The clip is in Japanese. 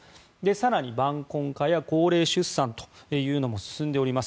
更に晩婚化や高齢出産というのも進んでおります。